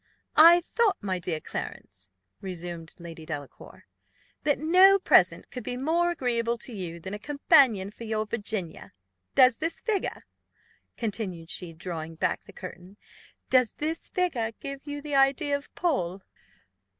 "I thought, my dear Clarence," resumed Lady Delacour, "that no present could be more agreeable to you than a companion for your Virginia. Does this figure," continued she, drawing back the curtain, "does this figure give you the idea of Paul?"